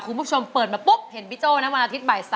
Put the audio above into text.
คุณผู้ชมเปิดมาปุ๊บเห็นพี่โจ้นะวันอาทิตยบ่าย๓